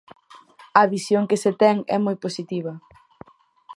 A visión que se ten é moi positiva.